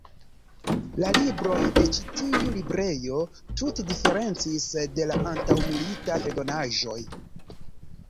La libroj de ĉi tiu librejo tute diferencis de la antaŭmilitaj eldonaĵoj.